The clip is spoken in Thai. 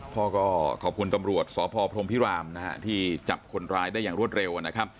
พอก็ขอบคุณตำรวจสพพรงภิรามที่จับคนรายได้อย่างรวดเร็ว